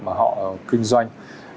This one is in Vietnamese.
mà họ kinh doanh